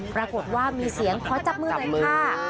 ปรากฏว่ามีเสียงขอจับมือในผ้า